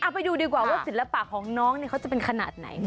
ไปดูดีกว่าว่าศิลปะของน้องเขาจะเป็นขนาดไหน